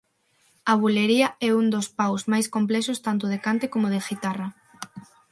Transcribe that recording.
A bulería é un dos paus máis complexos tanto de cante como de guitarra.